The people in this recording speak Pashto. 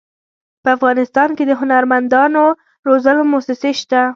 په افغانستان کې د هنرمندانو روزلو مؤسسې شته.